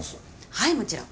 はいもちろん。